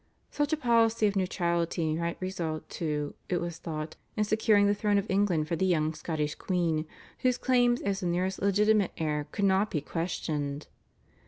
Such a policy of neutrality might result, too, it was thought, in securing the throne of England for the young Scottish queen, whose claims as the nearest legitimate heir could not be questioned.